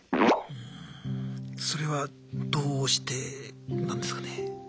うんそれはどうしてなんですかね？